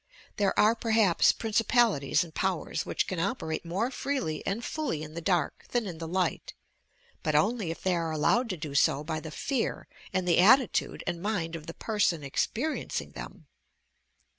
There are perhaps "principalities FEAR AND HOW TO BANISH IT 25 and powers" which can operate more freely and fully in the dark llian in the light, but only if they are allowed to do so by the fear and the attitude and mind o£ the person experiencing them.